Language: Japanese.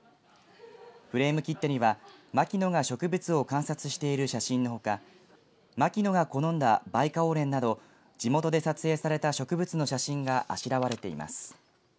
フレーム切手には牧野が植物を観察している写真のほか牧野が好んだバイカオウレンなど地元で撮影された植物の写真があしらわれています。